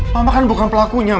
maka kan bukan pelakunya ma